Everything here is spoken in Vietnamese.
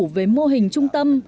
về mô hình trung tâm